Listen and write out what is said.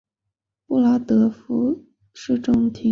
布拉德福德市政厅以其的钟楼地标而着称。